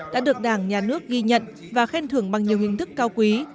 đã được đảng nhà nước ghi nhận và khen thưởng bằng nhiều hình thức cao quý